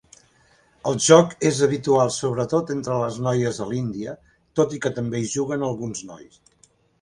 El joc és habitual sobre tot entre les noies a l'Índia, tot i que també hi juguen alguns nois.